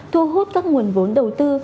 thu hút các nguồn vốn đầu tư